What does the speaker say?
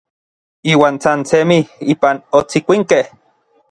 Iuan san semij ipan otsikuinkej.